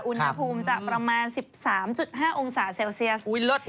อุณหภูมิจะประมาณ๑๓๕องศาเซลเซียส